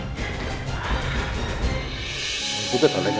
itu tuh ada yang menyesal